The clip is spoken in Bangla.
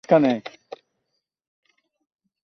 এছাড়াও তিনি সমাজসেবা কাজের সঙ্গে যুক্ত আছেন।